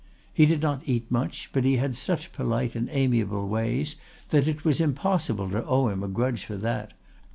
He did not eat much, but he had such polite and amiable ways that it was impossible to owe him a grudge for that.